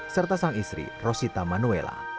serta sang istri rosita manuela